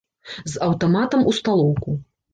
З аўтаматам у сталоўку.